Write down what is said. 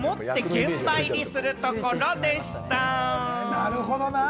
なるほどなぁ。